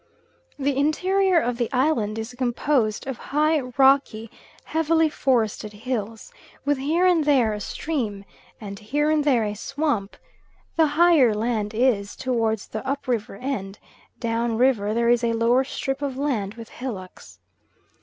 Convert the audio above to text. The interior of the island is composed of high, rocky, heavily forested hills, with here and there a stream, and here and there a swamp; the higher land is towards the up river end; down river there is a lower strip of land with hillocks.